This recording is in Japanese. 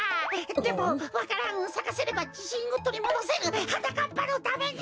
でもわか蘭をさかせればじしんをとりもどせるはなかっぱのために！